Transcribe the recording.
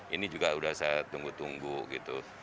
ini juga sudah saya tunggu tunggu gitu